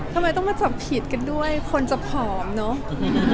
ทำไมต้องมาจับผิดกันด้วยคนจะผอมเนอะ